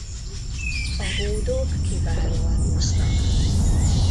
A hódok kiválóan úsznak.